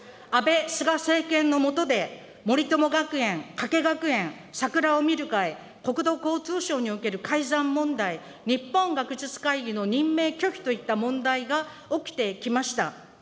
安倍・菅政権の下で森友学園、加計学園、桜を見る会、国土交通省における改ざん問題、日本学術会議の任命拒否といった問題が起きてきました。